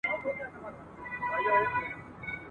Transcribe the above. شیخان به نه وي ورک به یې پل وي ..